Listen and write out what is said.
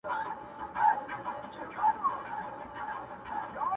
دغه ځانګړتياوي پر لوستونکو ژور اغېز کوي او فکر کولو ته يې هڅوي,